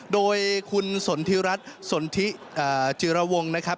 โดยคุณสนธิรัตน์สนธิจิรวงศ์นะครับ